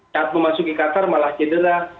saat memasuki qatar malah cedera